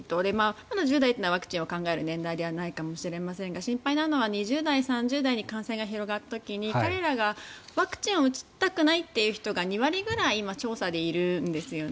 まだ１０代はワクチンを考える年代ではないかもしれませんが心配なのは２０代、３０代に感染が広がった時に彼らが、ワクチンを打ちたくないという人が２割ぐらい調査でいるんですよね。